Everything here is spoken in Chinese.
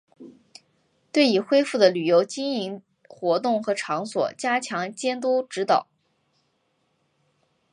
对已恢复的旅游经营活动和场所加强监督指导